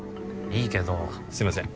いいけどすいません